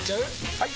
・はい！